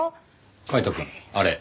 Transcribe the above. カイトくんあれ。